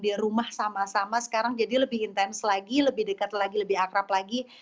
di rumah sama sama sekarang jadi lebih intens lagi lebih dekat lagi lebih akrab lagi